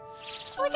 おじゃ。